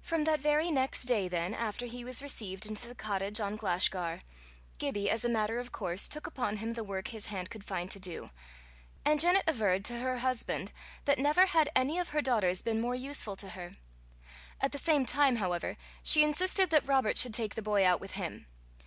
From that very next day, then, after he was received into the cottage on Glashgar, Gibbie, as a matter of course, took upon him the work his hand could find to do, and Janet averred to her husband that never had any of her daughters been more useful to her. At the same time, however, she insisted that Robert should take the boy out with him.